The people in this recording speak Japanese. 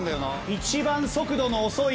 一番速度の遅い。